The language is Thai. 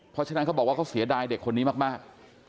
เพราะฉะนั้นเขาบอกว่าเขาเสียดายเด็กคนนี้มาก